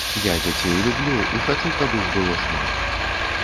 Я дзяцей люблю і хачу, каб іх было шмат.